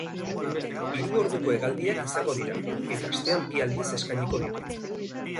Hiru orduko hegaldiak izango dira, eta astean bi aldiz eskainiko ditu.